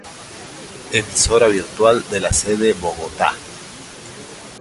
Emisora virtual de la sede Bogotá.